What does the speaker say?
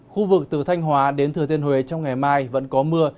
khu vực từ thanh hóa đến thừa thiên huế trong ngày mai vẫn có mưa